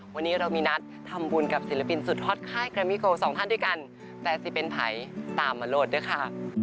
วันนี้เรามีนัดทำบุญกับศิลปินสุดฮอตค่ายแกรมมิโกสองท่านด้วยกันแต่สิเป็นไผ่ตามมาโลดด้วยค่ะ